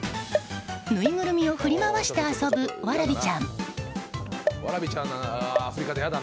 ぬいぐるみを振り回して遊ぶわらびちゃん。